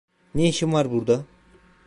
Ne işin var burada?